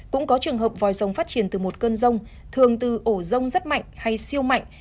cũng có trường hợp vòi rồng phát triển từ một cơn rông thường từ ổ rông rất mạnh hay siêu mạnh